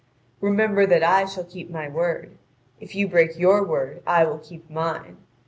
Remember that I shall keep my word; if you break your word I will keep mine.